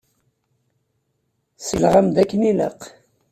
Selleɣ-am-d akken ilaq.